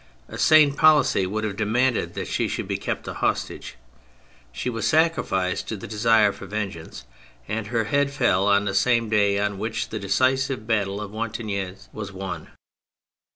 A sane policy would have demanded that she should be kept a hostage : she was sacrificed to the desire for vengeance, and her head fell on the same day on which the decisive battle of Wattignies was won.